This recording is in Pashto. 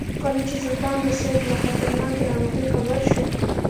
کله چې سلطان د سید له خطرناکې ناروغۍ خبر شو.